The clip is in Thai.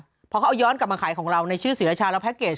เพราะเขาเอาย้อนกลับมาขายของเราในชื่อศรีรชาแล้วแพ็กเกจ